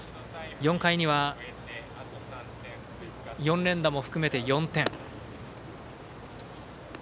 ４回には４連打も含めて４点。